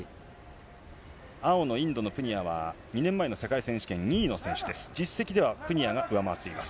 青のインドのプニアは、２年前の世界選手権２位の選手です。